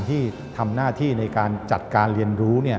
ที่ทำหน้าที่ในการจัดการเรียนรู้